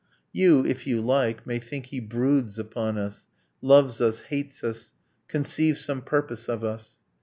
You, if you like, May think he broods upon us, loves us, hates us, Conceives some purpose of us.